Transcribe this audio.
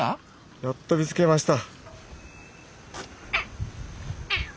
やっと見つけました。